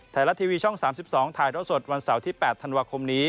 ไทยรัฐทีวีช่อง๓๒ถ่ายเท่าสดวันเสาร์ที่๘ธันวาคมนี้